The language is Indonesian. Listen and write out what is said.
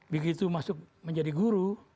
begitu masuk menjadi guru